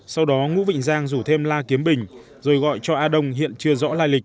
sau đó ngũ vịnh giang rủ thêm la kiếm bình rồi gọi cho a đông hiện chưa rõ